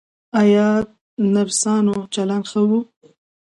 ایا نرسانو چلند ښه و؟